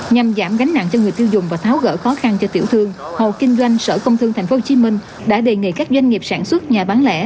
nhằm giảm gánh nặng cho người tiêu dùng và tháo gỡ khó khăn cho tiểu thương hộ kinh doanh sở công thương tp hcm đã đề nghị các doanh nghiệp sản xuất nhà bán lẻ